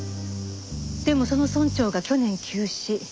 でもその村長が去年急死。